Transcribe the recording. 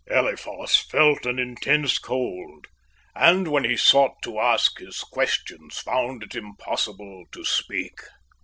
Eliphas felt an intense cold, and when he sought to ask his questions found it impossible to speak.